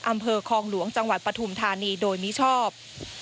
อำเภอคลองหลวงจังหวัดปฐุมธานีโดยมิชอบ